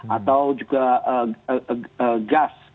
atau juga gas